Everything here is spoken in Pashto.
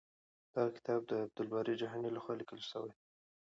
دغه کتاب د عبدالباري جهاني لخوا لیکل شوی دی.